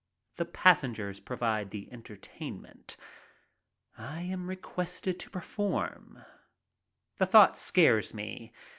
The passengers provide the entertainment. I am requested to perform. The thought scares me.